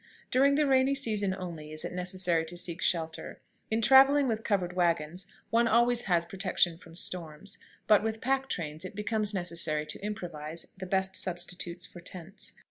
During the rainy season only is it necessary to seek shelter. In traveling with covered wagons one always has protection from storms, but with pack trains it becomes necessary to improvise the best substitutes for tents.